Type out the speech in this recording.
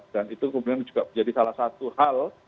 dan itu kemudian juga menjadi salah satu hal